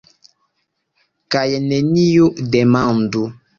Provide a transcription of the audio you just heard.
Kaj neniu demandu.